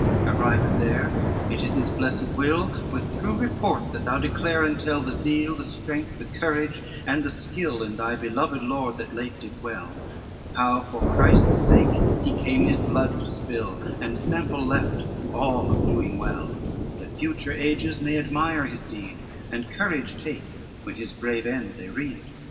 XXXVII "'Arrived there it is His blessed will, With true report that thou declare and tell The zeal, the strength, the courage and the skill In thy beloved lord that late did dwell, How for Christ's sake he came his blood to spill, And sample left to all of doing well, That future ages may admire his deed, And courage take when his brave end they read.